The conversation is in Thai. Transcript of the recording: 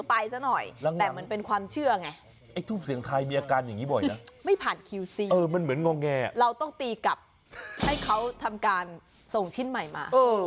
เพราะชาวบ้านเขาก็ดูไม่ดูเรื่องเหมือนกันแหละ